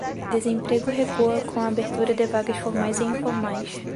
Desemprego recua com abertura de vagas formais e informais